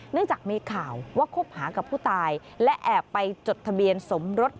จากมีข่าวว่าคบหากับผู้ตายและแอบไปจดทะเบียนสมรส